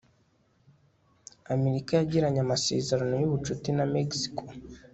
amerika yagiranye amasezerano yubucuti na mexico